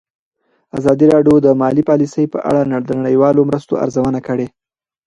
ازادي راډیو د مالي پالیسي په اړه د نړیوالو مرستو ارزونه کړې.